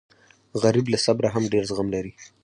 غریب له صبره هم ډېر زغم لري